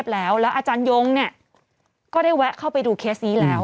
แล้วอาจารยงก็ได้แวะเข้าไปดูเคสนี้แล้ว